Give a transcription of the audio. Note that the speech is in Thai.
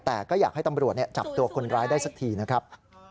แต่ก็อยากให้ตำรวจจับตัวคนร้ายได้สักทีนะครับ